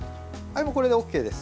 これでＯＫです。